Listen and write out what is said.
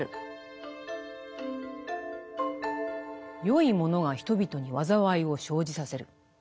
善いものが人々に災いを生じさせる。